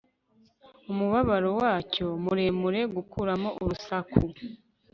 Umubabaro wacyo muremure gukuramo urusaku